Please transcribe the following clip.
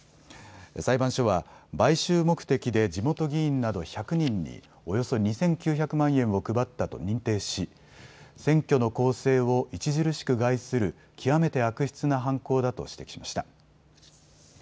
裁判所は買収目的で地元議員など１００人におよそ２９００万円を配ったと認定し選挙の公正を著しく害する極めて悪質な犯行だと指摘しました。